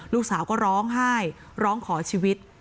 ลูกสาวก็ร้องไห้ร้องขอชีวิต